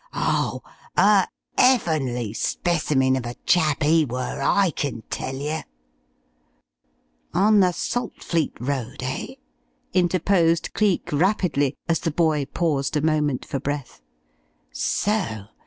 Oh, a 'eavenly specimen of a chap 'e were, I kin tell you!" "On the Saltfleet Road, eh?" interposed Cleek, rapidly, as the boy paused a moment for breath. "So?